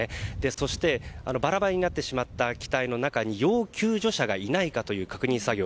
そして、バラバラになってしまった機体の中に要救助者がいないかという確認作業。